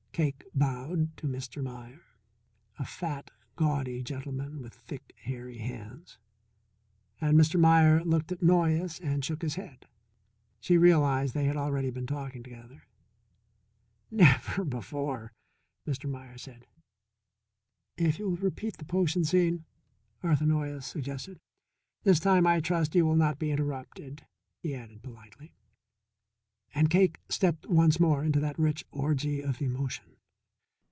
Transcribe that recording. Cake bowed to Mr. Meier, a fat, gaudy gentleman with thick, hairy hands. And Mr. Meier looked at Noyes and shook his head. She realized they had already been talking together. "Never before," Mr. Meier said. "If you will repeat the potion scene," Arthur Noyes suggested. "This time, I trust, you will not be interrupted," he added politely. And Cake stepped once more into that rich orgy of emotion.